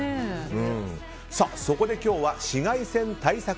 そこで今日は紫外線対策